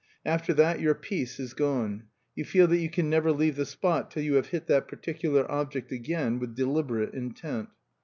After that your peace is gone; you feel that you can never leave the spot till you have hit that particular object again, with deliberate intent.